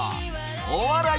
お笑い